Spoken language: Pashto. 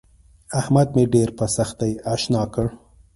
احمد مې ډېره په سختي اشنا کړ.